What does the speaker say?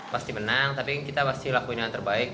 pasti menang tapi kita pasti lakuin yang terbaik